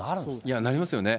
いや、なりますよね。